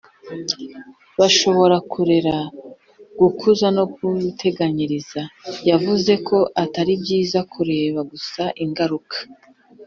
bashobora kurera, gukuza no guteganyiriza. yavuze ko atari byiza kureba gusa ingaruka